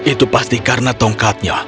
itu pasti karena tongkatnya